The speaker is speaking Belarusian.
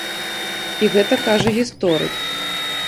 І гэта кажа гісторык.